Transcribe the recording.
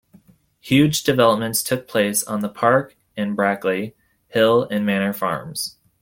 Huge developments took place on the Park, and Brackley, Hill and Manor Farms.